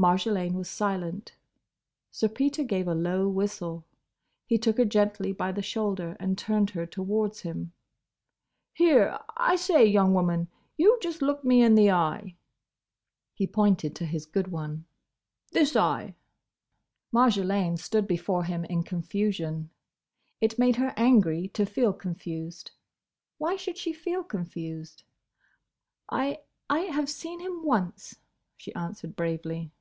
Marjolaine was silent. Sir Peter gave a low whistle. He took her gently by the shoulder and turned her towards him. "Here, I say, young woman—You just look me in the eye." He pointed to his good one. "This eye." Marjolaine stood before him in confusion. It made her angry to feel confused. Why should she feel confused? "I—I have seen him once," she answered bravely.